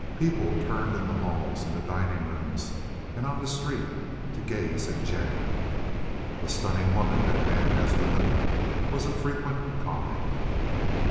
People turned in the halls, in the dining rooms, and on the street to gaze at Jennie. "A stunning woman that man has with him," was a frequent comment.